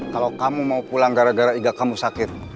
kalau kamu mau pulang gara gara iga kamu sakit